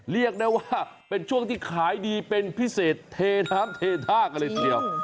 เรียกได้ว่าเป็นช่วงที่ขายดีเป็นพิเศษเทน้ำเทท่ากันเลยทีเดียว